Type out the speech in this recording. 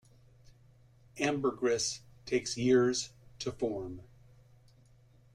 Ambergris takes years to form.